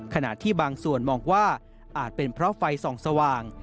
ขณะที่บางส่วนมองว่าอาจเป็นเพราะไฟส่องสว่าง